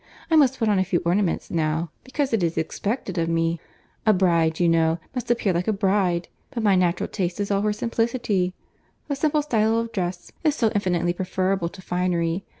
I must put on a few ornaments now, because it is expected of me. A bride, you know, must appear like a bride, but my natural taste is all for simplicity; a simple style of dress is so infinitely preferable to finery.